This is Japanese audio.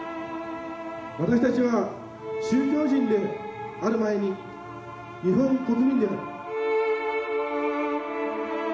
私たちは宗教人である前に日本国民である。